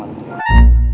sampai jumpa lagi